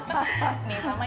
neteza ini kan memang terkenal